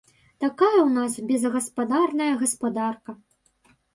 Такая ў нас безгаспадарная гаспадарка.